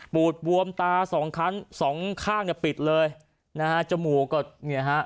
ปูดบวมตาสองขั้นสองข้างหน้าปิดเลยหน้าจมูกก็เนี้ยฮะ